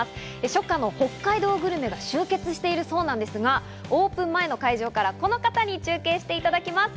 初夏の北海道グルメが集結しているそうですが、オープン前の会場からこの方に中継していただきます。